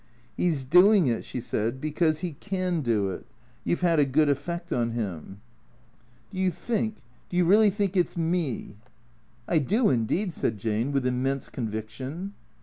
" He 's doing it," she said, " because he can do it. You 've had a good effect on him." 138 THE CEEA TOES " Do you think, do you really think it 's me! "" I do indeed," said Jane, with immense conviction.